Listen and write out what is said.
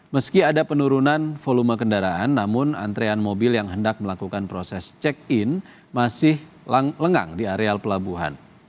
meski ada penurunan volume kendaraan namun antrean mobil yang hendak melakukan proses check in masih lengang di areal pelabuhan